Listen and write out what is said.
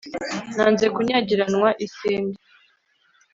nanze kunyagiranwa isinde